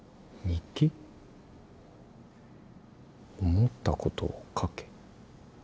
思ったことを書け。